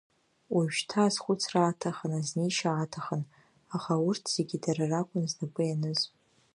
Уажәшьҭа азхәыцра аҭахын, азнеишьа аҭахын, аха урҭ зегьы дара ракәын знапы ианыз…